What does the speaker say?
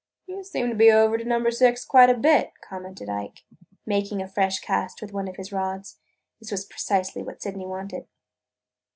"You seem to be over to Number Six quite a bit," commented Ike, making a fresh cast with one of his rods. This was precisely what Sydney wanted.